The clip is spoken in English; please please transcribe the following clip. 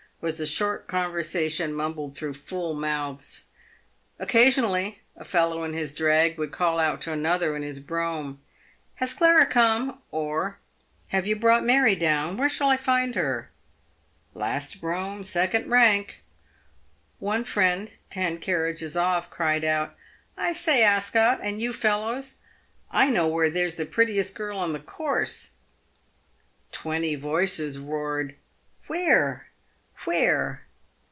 was the short conversation mumbled through full mouths. Occasionally, a fellow in his drag would call out to another in his brougham, " Has Clara come ?" or, " Have you brought Mary down ? Where shall I find her ?"—" Last brougham, second rank." One friend ten carriages off, cried out, " I say, Ascot, and you fellows, I know where there's the prettiest girl on the course!" Twenty voices roared, "Where? Where?"